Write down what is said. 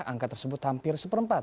angka tersebut hampir seperempat